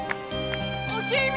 おきみ！